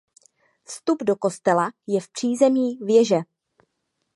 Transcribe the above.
Vstup do kostela je v přízemí věže.